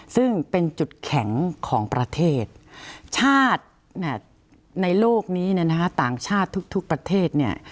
ซึ่งเป็นจุดแข็งของประเทศชาติในโลกนี้ต่างชาติทุกประเทศ